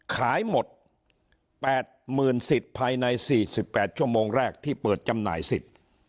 ขายหมด๘๐๐๐สิทธิ์ภายใน๔๘ชั่วโมงแรกที่เปิดจำหน่ายสิทธิ์